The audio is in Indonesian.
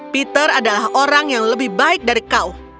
peter adalah orang yang lebih baik dari kaum